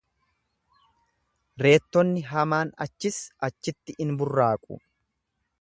Reettonni hamaan achis achitti in burraaqu.